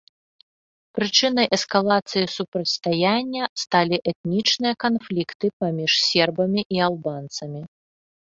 Прычынай эскалацыі супрацьстаяння сталі этнічныя канфлікты паміж сербамі і албанцамі.